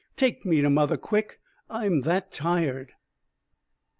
Take me to mother, quick. I'm that tired."